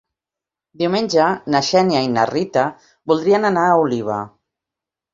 Diumenge na Xènia i na Rita voldrien anar a Oliva.